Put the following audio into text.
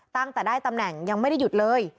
ตั้งแต่ได้ตำแหน่งยังไม่ได้หยุดเลย